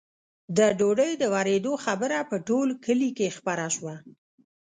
د ډوډۍ د ورېدو خبره په ټول کلي کې خپره شوه.